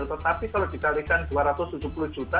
tetapi kalau dikalikan dua ratus tujuh puluh juta